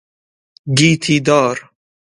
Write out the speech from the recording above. گیتی دار